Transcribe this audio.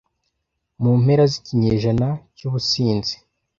mu mpera z'ikinyejana cy'ubusinzi